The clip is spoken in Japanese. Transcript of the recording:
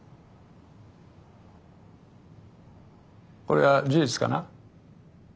これは事実かな？